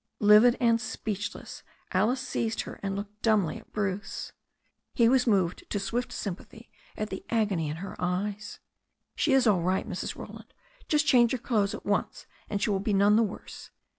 Livid and speechless, Alice seized her and looked dumbly at Bruce. He was moved to swift sympathy at the agony in her eyes. "She is all right, Mrs. Roland. Just change her clothes at once and she will be none the worse."